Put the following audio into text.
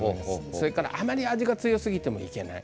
それからあまり味が強すぎてもいけない。